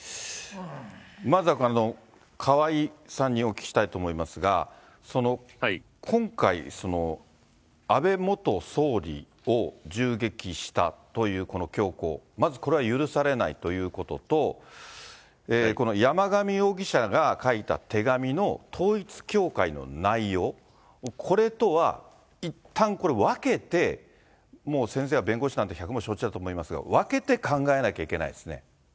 まずは川井さんにお聞きしたいと思いますが、今回、安倍元総理を銃撃したというこの凶行、まずこれは許されないということと、この山上容疑者が書いた手紙の統一教会の内容、これとはいったんこれ分けて、もう先生は弁護士なんで百も承知だと思いますが、分けて考えなきゃいけないですね。